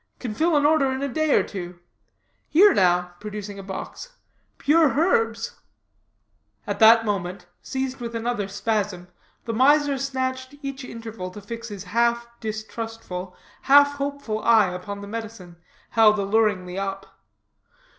Can fill an order in a day or two. Here now," producing a box; "pure herbs." At that moment, seized with another spasm, the miser snatched each interval to fix his half distrustful, half hopeful eye upon the medicine, held alluringly up.